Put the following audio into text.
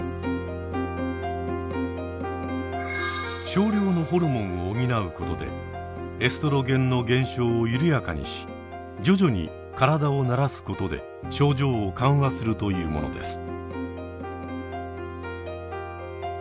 少量のホルモンを補うことでエストロゲンの減少を緩やかにし徐々に体を慣らすことで症状を緩和するというものです。